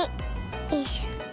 よいしょ。